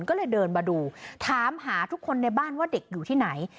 ก็เลยเดินมาดูถามหาทุกคนในบ้านว่าเด็กอยู่ที่ไหน